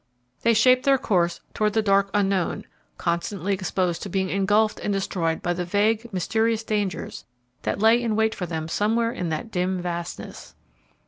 They shaped their course toward the dark unknown, constantly exposed to being engulfed and destroyed by the vague, mysterious dangers that lay in wait for them somewhere in that dim vastness.